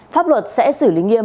pháp luật sẽ xử lý nghiêm